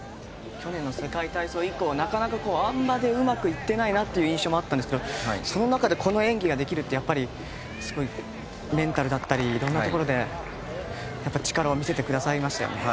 去年の世界体操以降あん馬であまりうまくいってないなという印象もあったんですがその中でこの演技ができるってやっぱりすごいメンタルだったり色んなところで力を見せてくださいましたよね。